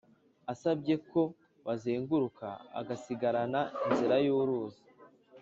asabye ko bazenguruka agasigarana inzira yuruzi